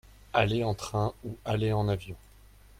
Aller en train ou aller en avion.